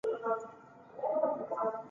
伊德圣罗克人口变化图示